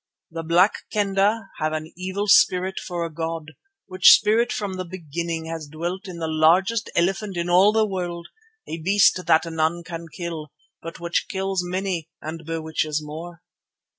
The Black Kendah have an evil spirit for a god, which spirit from the beginning has dwelt in the largest elephant in all the world, a beast that none can kill, but which kills many and bewitches more.